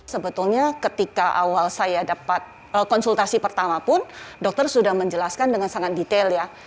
sebetulnya ketika awal saya dapat konsultasi pertama pun dokter sudah menjelaskan dengan sangat detail ya